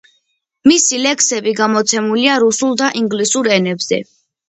მისი ლექსები გამოცემულია რუსულ და ინგლისურ ენებზე.